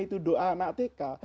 itu doa anak teka